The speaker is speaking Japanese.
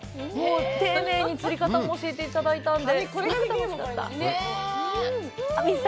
丁寧に釣り方も教えていただいたので。